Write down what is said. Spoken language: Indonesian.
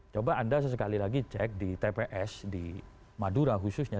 coba anda sesekali lagi cek di tps di madura khususnya